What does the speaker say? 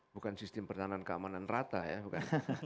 bukan sistem pertahanan keamanan rata ya bukan